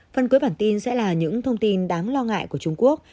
phần cuối bản tin sẽ là những thông tin đáng lo ngại của trung quốc